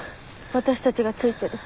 私たちがついてる。